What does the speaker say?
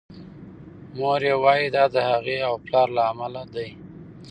مور یې وايي دا د هغې او پلار له امله دی.